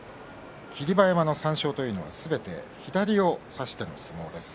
霧馬山の３勝というのはすべて左を差しての相撲です。